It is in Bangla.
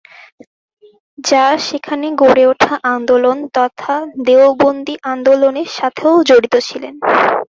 যা সেখানে গড়ে উঠা আন্দোলন তথা "দেওবন্দী আন্দোলনের" সাথেও জড়িত ছিলো।